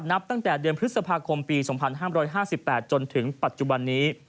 นับตั้งแต่เดือนพฤษภาคมปี๒๕๕๘จนถึงปัจจุบันนี้